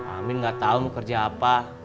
amin gak tau kamu kerja apa